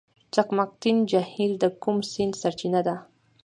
چقمقتین جهیل د کوم سیند سرچینه ده؟